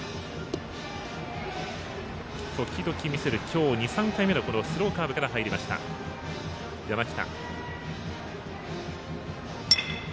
時々見せる、今日２３回目のこのスローカーブから入りました山北。